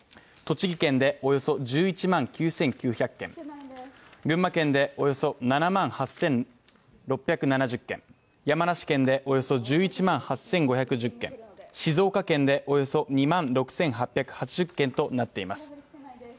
栃木県でおよそ１１万９９００軒群馬県でおよそ７万８６７０軒、山梨県でおよそ１１万８５１０軒、静岡県でおよそ２万６８８０軒となっています。